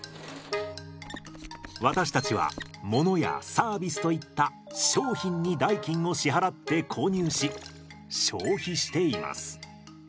私たちはものやサービスといった商品に代金を支払って購入し消費しています。